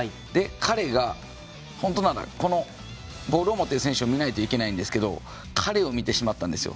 彼が本当ならこのボールを持ってる選手を見ないといけないんですが彼を見てしまったんですよ。